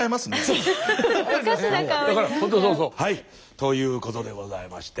ということでございまして。